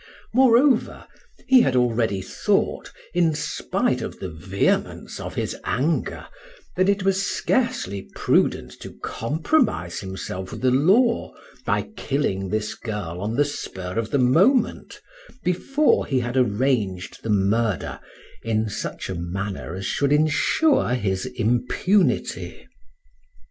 Moreover, he had already thought, in spite of the vehemence of his anger, that it was scarcely prudent to compromise himself with the law by killing this girl on the spur of the moment, before he had arranged the murder in such a manner as should insure his impunity.